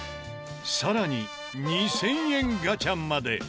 さらに２０００円ガチャまで。